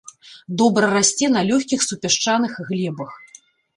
Добра расце на лёгкіх супясчаных глебах.